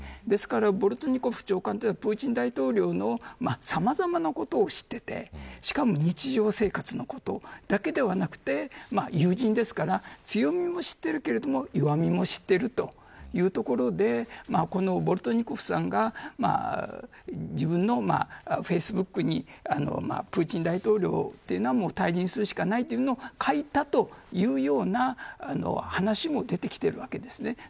ですからボルトニコフ長官というのはプーチン大統領のさまざまなことを知っていてしかも日常生活のことだけではなくて友人ですから強みも知っているけれども弱みも知ってるというところでこのボルトニコフさんが自分のフェイスブックにプーチン大統領というのはもう退任するしかないというのを書いたというような話も出てきているわけですね。